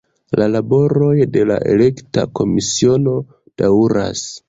La laboroj de la Elekta Komisiono daŭras.